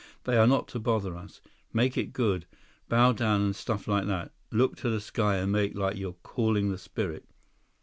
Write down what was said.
They are not to bother us. Make it good. Bow down and stuff like that. Look to the sky and make like you're calling the spirit."